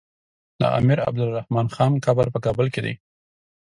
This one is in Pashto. د امير عبدالرحمن خان قبر په کابل کی دی